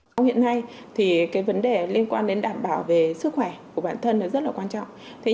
trong hiện nay vấn đề liên quan đến đảm bảo về sức khỏe của bản thân rất quan trọng